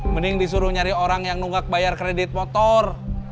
mending disuruh nyari orang yang nunggak bayar kredit motor